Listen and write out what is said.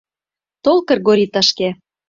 Тол, Кыргорий, тышке!